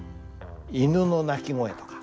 犬の鳴き声とか？